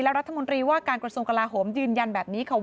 และรัฐมนตรีว่ากรกฎสงคราหมณ์ยืนยันแบบนี้ค่ะว่า